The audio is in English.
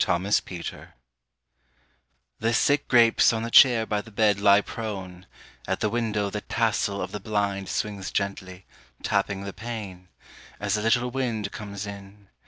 MALADE THE sick grapes on the chair by the bed lie prone; at the window The tassel of the blind swings gently, tapping the pane, As a little wind comes in.